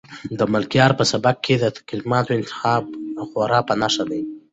د ملکیار په سبک کې د کلماتو انتخاب خورا په نښه دی.